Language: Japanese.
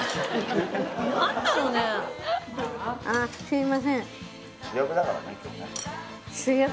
すいません。